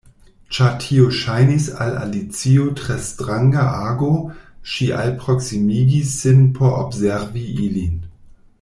Ĉar tio ŝajnis al Alicio tre stranga ago, ŝi alproksimigis sin por observi ilin.